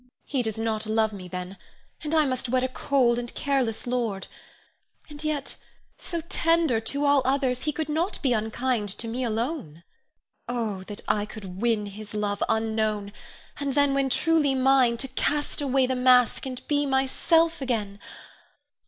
_] He does not love me, then, and I must wed a cold and careless lord. And yet so tender to all others, he could not be unkind to me alone. Oh, that I could win his love unknown, and then when truly mine, to cast away the mask, and be myself again.